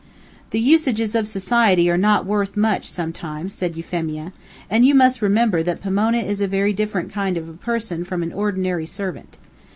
"The usages of society are not worth much, sometimes," said Euphemia, "and you must remember that Pomona is a very different kind of a person from an ordinary servant.